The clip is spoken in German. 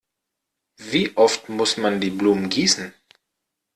Wie oft muss man die Blumen gießen?